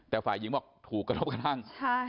แต่ฝ่ายหญิงบอกถูกกระทบกระทั่ง